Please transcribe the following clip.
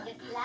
ya aku ingin